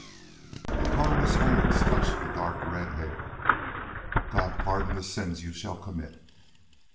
The colorless hands touched the dark red hair. "God pardon the sins you shall commit."